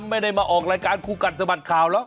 ไม่ได้มาออกรายการคู่กัดสะบัดข่าวหรอก